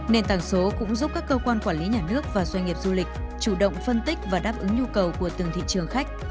nền tảng số cũng giúp các cơ quan quản lý nhà nước và doanh nghiệp du lịch chủ động phân tích và đáp ứng nhu cầu của từng thị trường khách